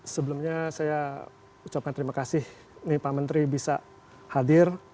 sebelumnya saya ucapkan terima kasih pak menteri bisa hadir